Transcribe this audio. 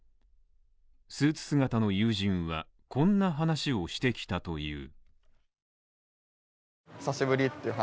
スーツ姿の友人は、こんな話をしてきたという。